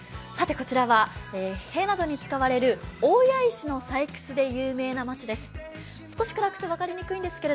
こちらは塀などに使われる大谷石の採掘で有名な町です。